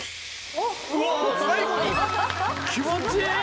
気持ちいい！